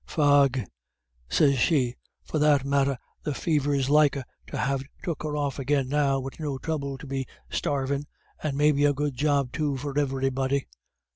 'Faugh!' sez she, 'for that matter the fever's liker to have took her off agin now wid no throuble to be starvin', and maybe a good job too for iverybody.'